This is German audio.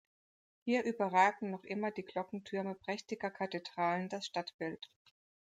Hier überragen noch immer die Glockentürme prächtiger Kathedralen das Stadtbild.